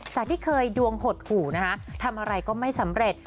จากที่เคยดวงหดหู่นะคะทำอะไรก็ไม่สำเร็จ